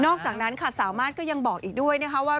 นอกจากนั้นสามารถก็ยังบอกอีกด้วยว่า